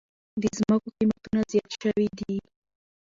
د زمکو قيمتونه زیات شوي دي